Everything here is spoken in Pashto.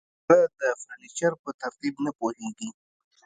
هغه د فرنیچر په ترتیب نه پوهیږي